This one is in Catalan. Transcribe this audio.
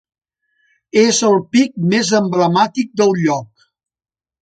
És el pic més emblemàtic del lloc.